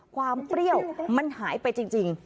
เปรี้ยวมันหายไปจริง